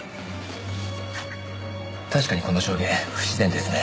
確かにこの証言不自然ですね。